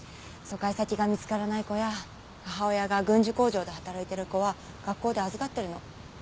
疎開先が見つからない子や母親が軍需工場で働いてる子は学校で預かってるの。